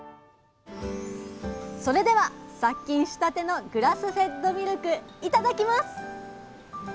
それでは殺菌したてのグラスフェッドミルクいただきます！